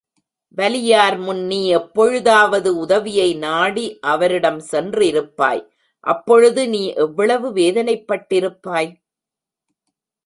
வலியார்முன் நீ எப்பொழுதாவது உதவியை நாடி அவரிடம் சென்றிருப்பாய் அப்பொழுது நீ எவ்வளவு வேதனைப்பட்டிருப்பாய்?